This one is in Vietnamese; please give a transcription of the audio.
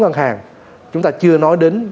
ngân hàng chúng ta chưa nói đến